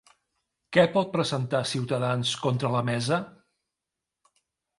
Què pot presentar Ciutadans contra la mesa?